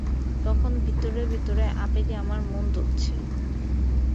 তখন ভিতরে ভিতরে আবেগে আমার মন দুলছে।